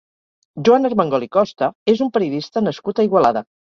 Joan Armengol i Costa és un periodista nascut a Igualada.